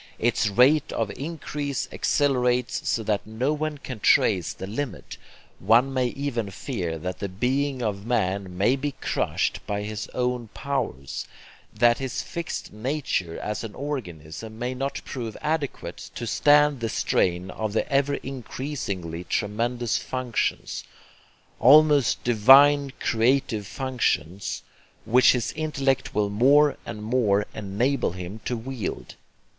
Its rate of increase accelerates so that no one can trace the limit; one may even fear that the BEING of man may be crushed by his own powers, that his fixed nature as an organism may not prove adequate to stand the strain of the ever increasingly tremendous functions, almost divine creative functions, which his intellect will more and more enable him to wield.